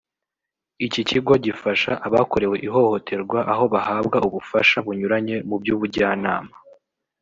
Iki kigo gifasha abakorewe ihohoterwa aho bahabwa ubufasha bunyuranye mu by’ubujyanama